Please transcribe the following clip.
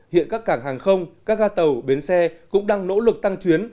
hiện các cảng hàng không các ga tàu bến xe cũng đang nỗ lực tăng chuyến